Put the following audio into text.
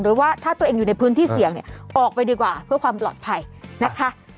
โดยว่าถ้าตัวเองอยู่ในพื้นที่เสี่ยงเนี่ยออกไปดีกว่าเพื่อความปลอดภัยนะคะ